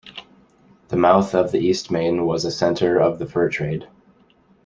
The mouth of the Eastmain was a center of the fur trade.